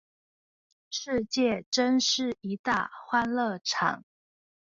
世間真是一大歡樂場